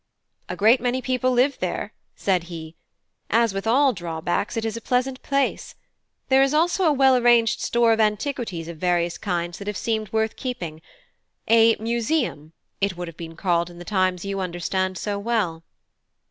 "A great many people live there," said he, "as, with all drawbacks, it is a pleasant place; there is also a well arranged store of antiquities of various kinds that have seemed worth keeping a museum, it would have been called in the times you understand so well."